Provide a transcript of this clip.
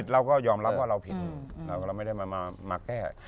เราก็ยอมรับว่าเราผิดเราไม่ได้มาแก้